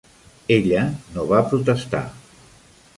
Ella no va protestar.